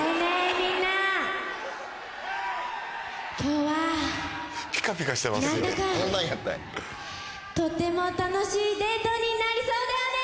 みんな今日は何だかとっても楽しいデートになりそうだよねー！